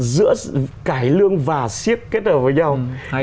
giữa cái lương và siết kết hợp với nhau